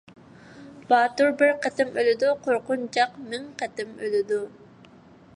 باتۇر بىر قېتىم ئۆلىدۇ، قورقۇنچاق مىڭ قېتىم ئۆلىدۇ.